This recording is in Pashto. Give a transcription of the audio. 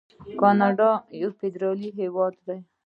کاناډا یو فدرالي هیواد دی.